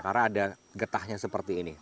karena ada getahnya seperti ini